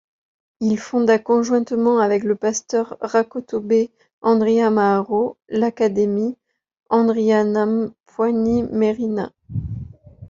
Il fonda conjointement avec le pasteur Rakotobe-Andriamaharo l’Académie Andrianampoinimerina.